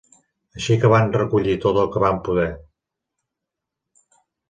Així que van recollir tot el que van poder.